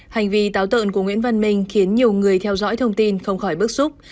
hành vi táo tợn của nguyễn văn minh khiến nhiều người theo dõi thông tin không khỏi bức xúc